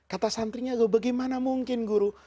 kata santrinya loh bagaimana mungkin guru